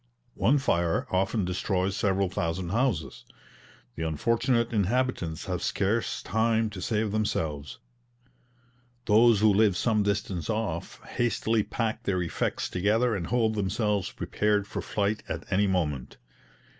One fire often destroys several thousand houses. The unfortunate inhabitants have scarce time to save themselves; those who live some distance off hastily pack their effects together and hold themselves prepared for flight at any moment.